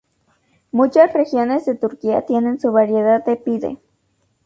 Muchas regiones de Turquía tienen su variedad de pide.